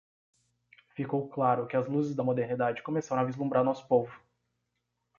Ficou claro que as luzes da modernidade começaram a vislumbrar nosso povo.